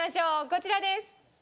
こちらです。